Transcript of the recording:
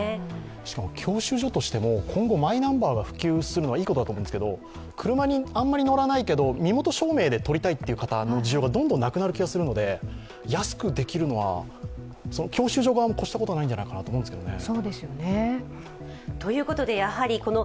しかも教習所としても今後マイナンバーが普及するのはいいことだと思うんですけど、車にあまり乗らないけど身元証明で取りたいという方の需要がどんどんなくなる気がするので安くするのは教習所側も越したことはないんじゃないかと思うんですけどね。